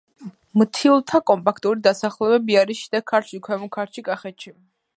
მთიულთა კომპაქტური დასახლებები არის შიდა ქართლში, ქვემო ქართლში, კახეთში.